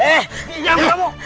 eh diam kamu